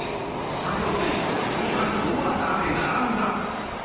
笹生選手と通算４アンダーで並んだ。